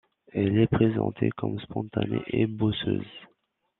Elle est présentée comme spontanée et bosseuse.